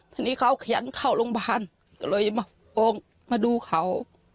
ทีนี้เขาขยันเข้าโรงพยาบาลก็เลยมาโกงมาดูเขา